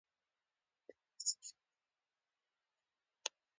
ټولنیزې ریښې وروچې کړي.